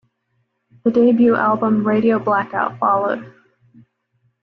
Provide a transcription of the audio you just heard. The debut album, "Radio Blackout", followed.